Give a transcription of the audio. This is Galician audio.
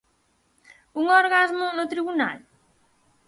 Un orgasmo no tribunal?